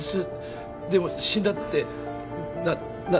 でも死んだってなな。